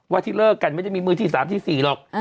ที่เลิกกันไม่ได้มีมือที่๓ที่๔หรอก